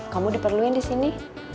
kamu diperluin di sini